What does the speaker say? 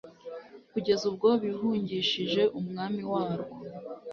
kugeza ubwo bihungishije umwami warwo